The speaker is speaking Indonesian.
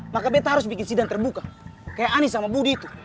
maka kita harus bikin sidang terbuka kayak anies sama budi itu